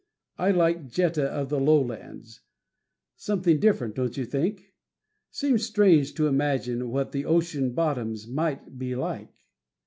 I like "Jetta of the Lowlands." Something different, don't you think? Seems strange to imagine what the ocean bottoms might be like.